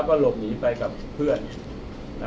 ก็หลบหนีไปกับเพื่อน